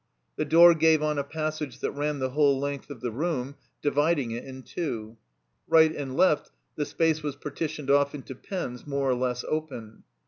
The door gave on a passage that ran the whole length of the room, dividing it in two. Right and left the space was partitioned off into pens more or less open.